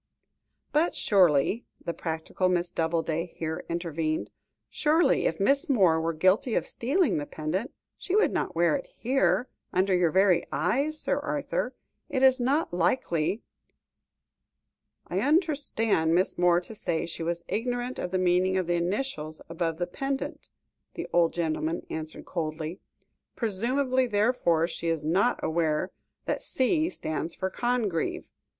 "But surely," the practical Miss Doubleday here intervened, "surely, if Miss Moore were guilty of stealing the pendant, she would not wear it here, under your very eyes, Sir Arthur. It is not likely " "I understood Miss Moore to say she was ignorant of the meaning of the initials above the pendant," the old gentleman answered coldly; "presumably, therefore, she is not aware that C stands for Congreve.